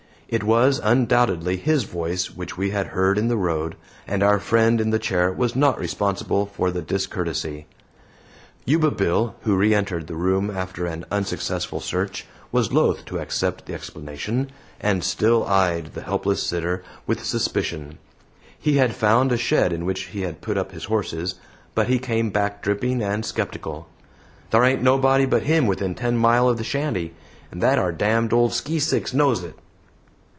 It was, undoubtedly, his voice which we had heard in the road, and our friend in the chair was not responsible for the discourtesy. Yuba Bill, who re entered the room after an unsuccessful search, was loath to accept the explanation, and still eyed the helpless sitter with suspicion. He had found a shed in which he had put up his horses, but he came back dripping and skeptical. "Thar ain't nobody but him within ten mile of the shanty, and that 'ar damned old skeesicks knows it."